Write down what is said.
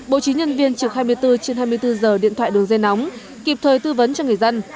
bộ trí nhân viên trực hai mươi bốn trên hai mươi bốn giờ điện thoại đường dây nóng kịp thời tư vấn cho người dân